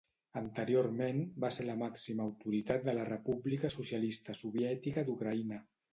Anteriorment va ser la màxima autoritat de la República Socialista Soviètica d'Ucraïna.